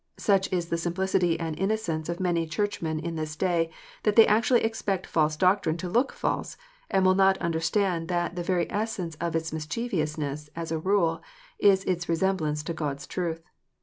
Such is the sim plicity and innocence of many Churchmen in this day, that they actually expect false doctrine to .look false, and will not under stand that the very essence of its mischievousness, as a rule, is its resemblance to God s truth.